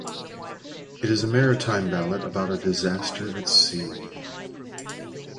It is a maritime ballad about a disaster at sea.